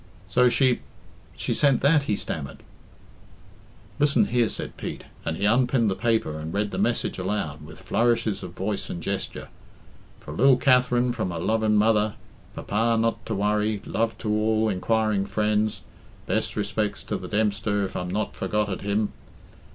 "So she she sent that," he stammered. "Listen here," said Pete, and he unpinned the paper and read the message aloud, with flourishes of voice and gesture "For lil Katherine from her loving mother... papa not to worry... love to all inquiring friends... best respects to the Dempster if Im not forgot at him."